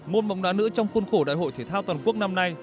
môn bóng đá nữ trong khuôn khổ đại hội thể thao toàn quốc năm nay